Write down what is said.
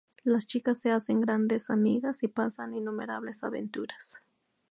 Las chicas se hacen grandes amigas y pasan innumerables aventuras.